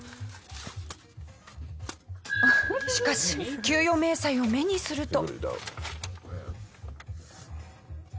しかし給与明細を目にすると。